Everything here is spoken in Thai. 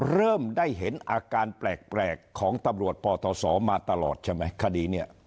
เริ่มได้เห็นอาการแปลกของตำรวจปศมาตลอดใช่ไหมคดีนี้